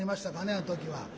あの時は。